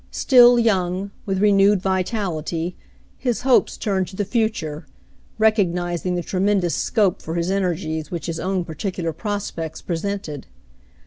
Still young, with renewed vitality, his hopes turned to the future, recognizing the tremendous scope for his ener gies which his own particular prospects presented.